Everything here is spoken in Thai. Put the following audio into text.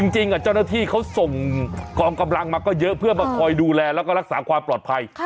จริงเจ้าหน้าที่เขาส่งกองกำลังมาก็เยอะเพื่อมาคอยดูแลแล้วก็รักษาความปลอดภัย